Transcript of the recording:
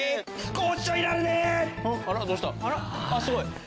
すごい。